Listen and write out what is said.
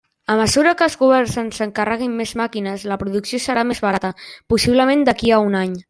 A mesura que els governs ens encarreguin més màquines, la producció serà més barata, possiblement d'aquí a un any.